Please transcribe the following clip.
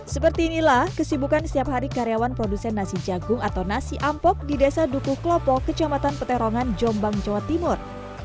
seperti inilah kesibukan setiap hari karyawan produsen nasi jagung atau nasi ampok di desa dukuh klopo kecamatan peterongan jombang jawa timur